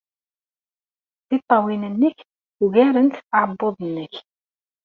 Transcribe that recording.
Tiṭṭawin-nnek ugarent aɛebbuḍ-nnek.